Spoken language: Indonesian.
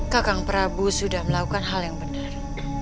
kakang prabu sudah melakukan hal yang benar